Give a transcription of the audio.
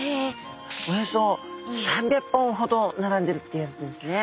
およそ３００本ほど並んでるっていわれてるんですね。